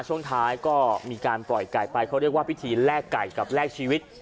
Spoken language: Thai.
ช่วงท้ายก็มีการปล่อยไก่ไปเขาเรียกว่าพิธีแลกไก่กับแลกชีวิต